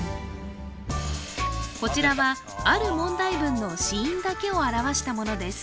こちらはある問題文の子音だけを表したものです